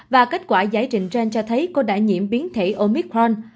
và kết quả giải trình gen cho thấy cô đã nhiễm biến thể omicron